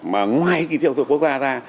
mà ngoài kỳ thi học sinh giỏi quốc gia ra